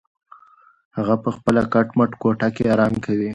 هغه په خپله کټ مټ کوټه کې ارام کوي.